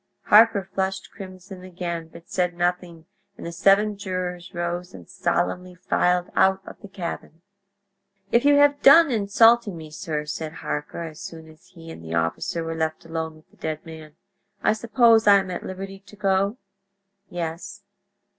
Harker flushed crimson again, but said nothing, and the seven jurors rose and solemnly filed out of the cabin. "If you have done insulting me, sir," said Harker, as soon as he and the officer were left alone with the dead man, "I suppose I am at liberty to go?" "Yes."